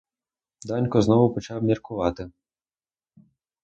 Данько знову почав міркувати.